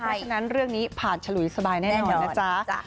เพราะฉะนั้นเรื่องนี้ผ่านฉลุยสบายแน่นอนนะจ๊ะ